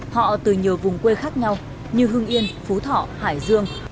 họ từ nhiều vùng quê khác nhau như hương yên phú thỏ hải dương